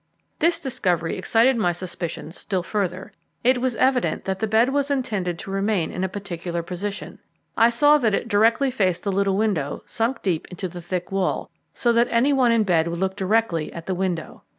This discovery excited my suspicions still further. It was evident that the bed was intended to remain in a particular position. I saw that it directly faced the little window sunk deep into the thick wall, so that any one in bed would look directly at the window.